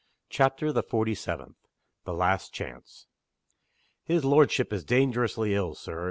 CHAPTER THE FORTY SEVENTH. THE LAST CHANCE. "HIS lordship is dangerously ill, Sir.